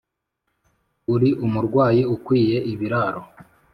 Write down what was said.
uri umurwayi ukwiye ibiraro